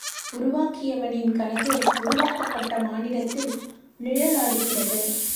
உருவாக்கியவனின் கனவு, உருவாக்கப்பட்ட மானிடத்தில் நிழலாடுகிறது.